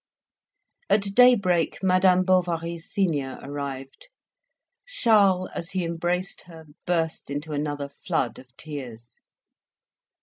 At daybreak Madame Bovary senior arrived. Charles as he embraced her burst into another flood of tears.